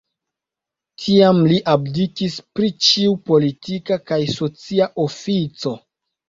Tiam li abdikis pri ĉiu politika kaj socia ofico.